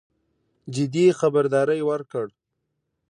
جدي خبرداری ورکړ.